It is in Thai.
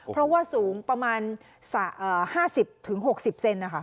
เพราะว่าสูงประมาณส่าห์เอ่อห้าสิบถึงหกสิบเซนนะคะ